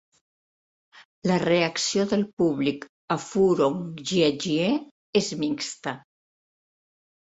La reacció del públic a Furong Jiejie és mixta.